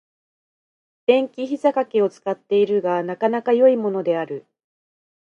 電気ひざかけを使っているが、なかなか良いものである。